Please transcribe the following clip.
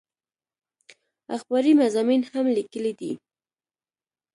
اخباري مضامين هم ليکلي دي